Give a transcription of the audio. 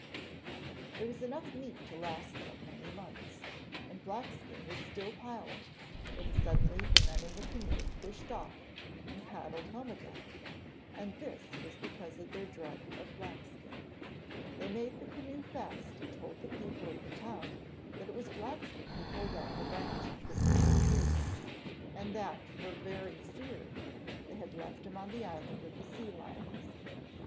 ] There was enough meat to last them many months, and Blackskin was still piling, when suddenly the men in the canoe pushed off, and paddled home again, and this was because of their dread of Blackskin. They made the canoe fast and told the people of the town that it was Blackskin who pulled out the branch and twisted the tree, and that for very fear they had left him on the island of the sea lions.